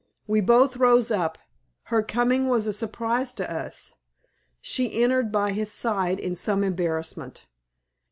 We both rose up. Her coming was a surprise to us. She entered by his side in some embarrassment.